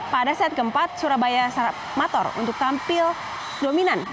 pada set keempat surabaya mator untuk tampil dominan